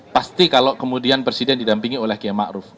pasti kalau kemudian presiden didampingi oleh kia ma'ruf